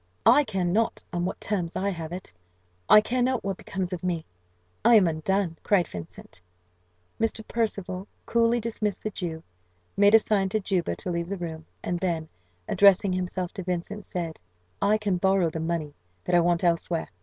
"I care not on what terms I have it I care not what becomes of me I am undone!" cried Vincent. Mr. Percival coolly dismissed the Jew, made a sign to Juba to leave the room, and then, addressing himself to Vincent, said, "I can borrow the money that I want elsewhere.